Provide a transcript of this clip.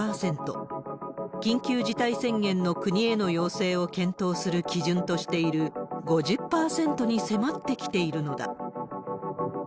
緊急事態宣言の国への要請を検討する基準としている５０％に迫ってきているのだ。